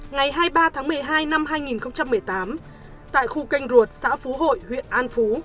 ngày hai mươi ba tháng một mươi hai năm hai nghìn một mươi tám tại khu canh ruột xã phú hội huyện an phú